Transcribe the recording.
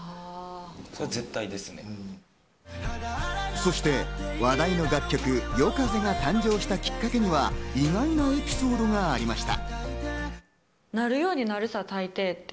そして話題の楽曲『ＹＯＫＡＺＥ』が誕生したきっかけには意外なエピソードがありました。